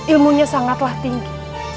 ilmunya sangatlah tinggi